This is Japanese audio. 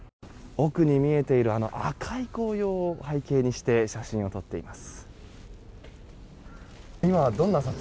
奥に見えている赤い紅葉を背景にして写真を撮っています。